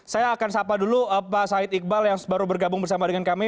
saya akan sapa dulu pak said iqbal yang baru bergabung bersama dengan kami